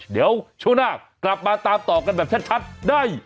เดี๋ยวช่วงหน้ากลับมาตามต่อกันแบบชัดได้